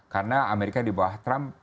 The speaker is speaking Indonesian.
karena amerika di bawah trump potensi